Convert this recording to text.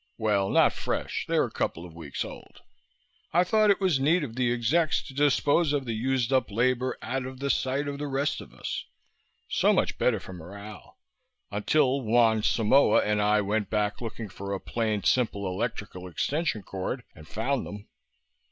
Well, not fresh. They're a couple of weeks old. I thought it was neat of the execs to dispose of the used up labor out of sight of the rest of us. So much better for morale ... until Juan Simoa and I went back looking for a plain, simple electrical extension cord and found them."